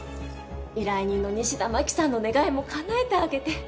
依頼人の西田真紀さんの願いもかなえてあげて。